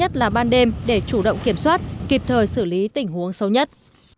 để chủ động kiểm soát kịp thời xử lý tình huống xấu nhất